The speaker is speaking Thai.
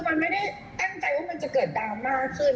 มันไม่ได้ตั้งใจว่ามันจะเกิดดราม่าขึ้น